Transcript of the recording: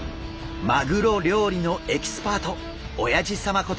マグロ料理のエキスパートおやじ様こと